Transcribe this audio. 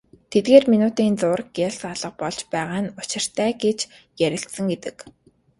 Тэгээд минутын зуур гялс алга болж байгаа нь учиртай гэж ярилцсан гэдэг.